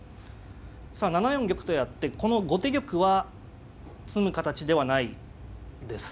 さあ７四玉とやってこの後手玉は詰む形ではないです。